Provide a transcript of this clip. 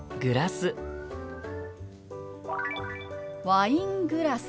「ワイングラス」。